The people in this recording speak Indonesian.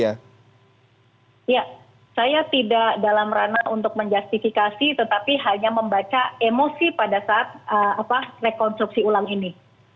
ya saya tidak dalam ranah untuk menjustifikasi tetapi hanya membaca emosi pada saat rekonstruksi ulang ini